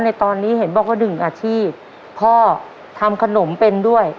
ในตอนนี้เห็นบอกว่าหนึ่งอาชีพพ่อทำขนมเป็นด้วย